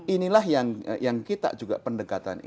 ini yang kita sebut makrobrunsel dan mikrobrunsel